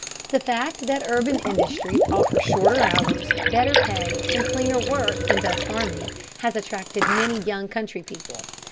The fact that urban industries offer shorter hours, better pay, and cleaner work than does farming has attracted many young country people.